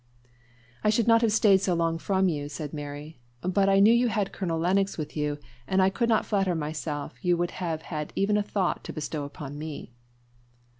"I should not have stayed so long from you," said Mary, "but I knew you had Colonel Lennox with you, and I could not flatter myself you would have even a thought to bestow upon me."